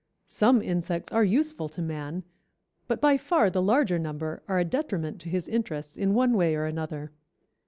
Some insects are useful to man, but by far the larger number are a detriment to his interests in one way or another.